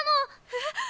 えっ？